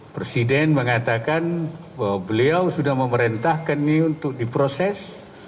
presiden mengatakan bahwa beliau sudah memerintahkannya untuk diproses